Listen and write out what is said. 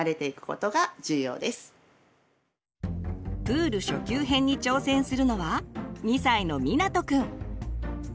プール初級編に挑戦するのは２歳のみなとくん。